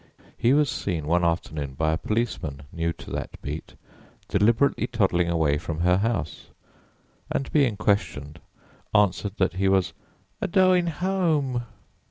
He was seen one afternoon by a policeman, new to that beat, deliberately toddling away from her house, and being questioned answered that he was 'a doin' home.'